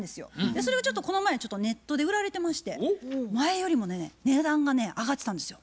それがちょっとこの前ネットで売られてまして前よりもね値段がね上がってたんですよ。